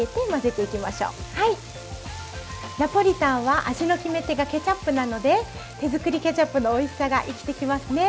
ナポリタンは味の決め手がケチャップなので手作りケチャップのおいしさが生きてきますね。